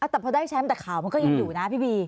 แต่พอได้แชมป์แต่ข่าวมันก็ยังอยู่นะพี่บี